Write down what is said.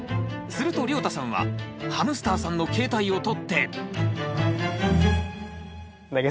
するとりょうたさんはハムスターさんの携帯を取って。